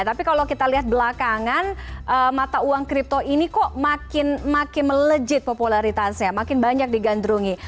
tapi kalau kita lihat belakangan mata uang kripto ini kok makin melejit popularitasnya makin banyak digandrungi